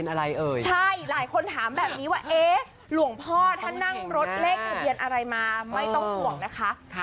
ใช่หลายคนถามแบบนี้ว่าลูกพ่อถ้านั่งรถเลขทะเบียนอะไรมาไม่เพราะนะคะ